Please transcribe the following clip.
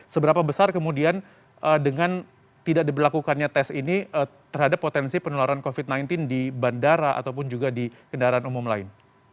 seberapa besar kemudian dengan tidak diberlakukannya tes ini terhadap potensi penularan covid sembilan belas di bandara ataupun juga di kendaraan umum lain